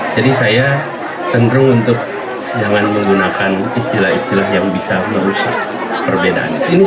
jadi saya cenderung untuk jangan menggunakan istilah istilah yang bisa merusak perbedaan ini